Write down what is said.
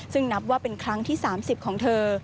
ซึ่งนับว่าเป็นครั้งที่๓๐ของเธอ